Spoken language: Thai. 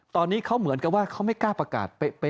ตอนนี้เขาเหมือนกับว่าเขาไม่กล้าประกาศ